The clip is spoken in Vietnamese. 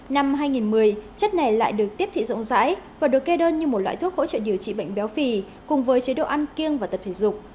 năm hai nghìn một mươi chất này lại được tiếp thị rộng rãi và được kê đơn như một loại thuốc hỗ trợ điều trị bệnh béo phì cùng với chế độ ăn kiêng và tập thể dục